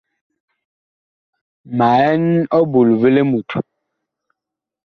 Ma ɛn ɔbul vi limut.